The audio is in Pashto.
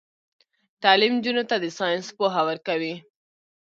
تعلیم نجونو ته د ساينس پوهه ورکوي.